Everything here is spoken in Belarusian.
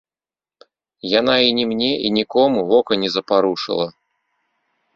Яна і ні мне і нікому вока не запарушыла.